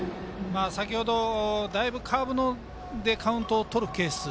先程、だいぶカーブでカウントをとるケースが。